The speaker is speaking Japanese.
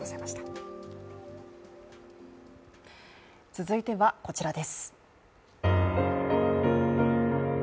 続いては、こちらです。